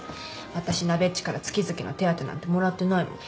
私なべっちから月々の手当なんてもらってないもん。